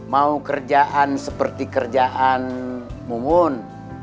mau kerjaan seperti kerjaan mumun